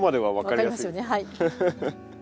はい。